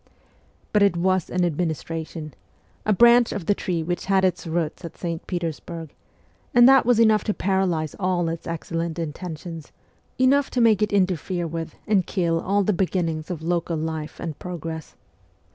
But it was an administration a branch of the tree which had its roots at St. Petersburg and that was enough to paralyse all its excellent intentions, enough to make it interfere with and kill all the beginnings of local life and progress.